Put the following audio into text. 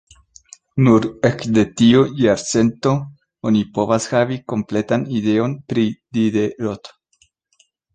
Nur ekde tiu jarcento oni povas havi kompletan ideon pri Diderot.